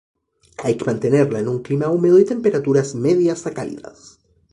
Hay que mantenerla en un clima húmedo y temperaturas medias a cálidas.